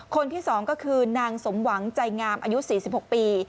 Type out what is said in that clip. คนที่๒ก็คือนางสมหวังใจงามอายุ๔๖ปี